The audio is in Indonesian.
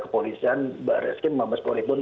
kepolisian mbak reski mbak mbak sporipun